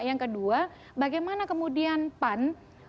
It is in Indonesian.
yang kedua bagaimana kemudian pan